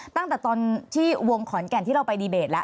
ตั้งแต่ตอนที่วงขอนแก่นที่เราไปดีเบตแล้ว